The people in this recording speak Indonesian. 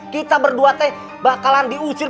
kita berdua teh bakalan diusir